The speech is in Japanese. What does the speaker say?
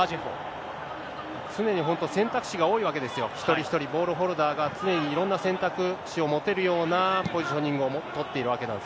常に本当、選択肢が多いわけですよ、一人一人、ボールホルダーが常にいろんな選択肢を持てるようなポジショニンペドリ。